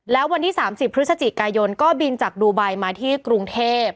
แล้ววันที่๓๐พฤศจิกายนก็บินจากดูไบมาที่กรุงเทพ